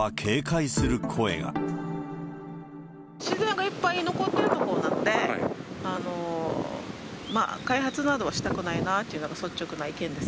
自然がいっぱい残ってる所なんで、開発などはしたくないなというのが率直な意見です。